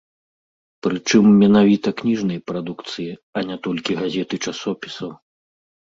Прычым менавіта кніжнай прадукцыі, а не толькі газет і часопісаў.